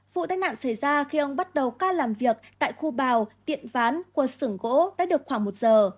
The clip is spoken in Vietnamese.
vụ tai nạn xảy ra khi ông bắt đầu ca làm việc tại khu bào tiện ván qua sửng gỗ đã được khoảng một giờ